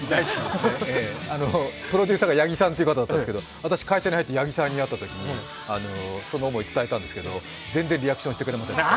プロデューサーがヤギさんっていう方なんですけど私、会社に入ってヤギさんに会ったときにその思いを伝えたんですけど全然リアクションしてくれませんでした。